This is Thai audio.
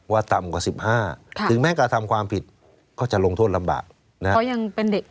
ต่ำกว่า๑๕ถึงแม้กระทำความผิดก็จะลงโทษลำบากนะ